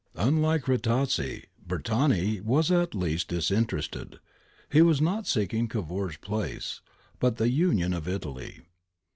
*^ Unhke Rattazzi, Bertani was at least disinterested ; he was not seeking Cavour's place, but the union of Italy.